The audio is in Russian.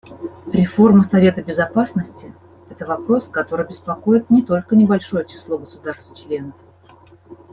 Реформа Совета Безопасности — это вопрос, который беспокоит не только небольшое число государств-членов.